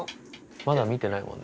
まだ見てないもんね。